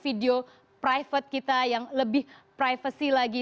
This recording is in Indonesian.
video private kita yang lebih privacy lagi